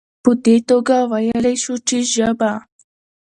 په دي توګه ويلايي شو چې ژبه